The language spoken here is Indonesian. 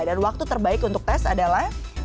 dan waktu terbaik untuk tes adalah